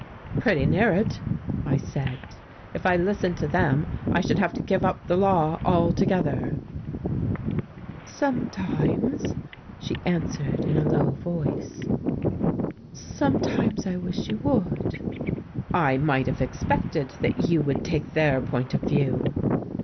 "Pretty near it," I said. "If I listened to them, I should have to give up the law altogether." "Sometimes," she answered in a low voice, "sometimes I wish you would." "I might have expected that you would take their point of view."